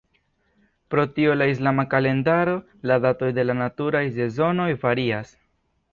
Pro tio la islama kalendaro la datoj de la naturaj sezonoj varias.